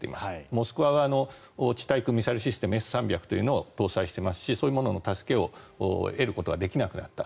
「モスクワ」が地対空システムＳ３００というのを搭載していますしそういうものの助けを得ることができなくなった。